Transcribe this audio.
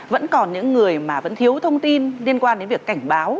vẫn còn những người mà vẫn thiếu thông tin liên quan đến việc cảnh báo